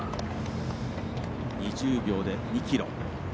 ２０秒で２ｋｍ。